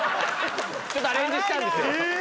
ちょっとアレンジしたんですよ。